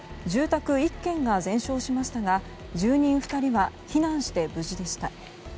住宅１軒が全焼しましたが住人２人は避難して、無事でした。